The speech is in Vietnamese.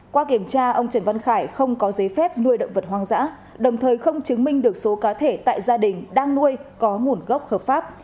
qua kiểm tra ông trần văn khải không có giấy phép nuôi động vật hoang dã đồng thời không chứng minh được số cá thể tại gia đình đang nuôi có nguồn gốc hợp pháp